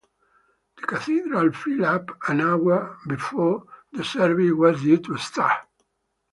The Cathedral filled up an hour before the service was due to start.